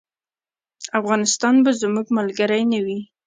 افغانستان به زموږ ملګری نه وي.